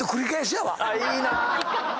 いいな！